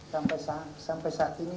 sampai saat ini